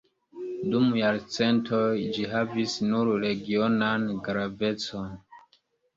Dum jarcentoj ĝi havis nur regionan gravecon.